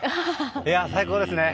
最高ですね。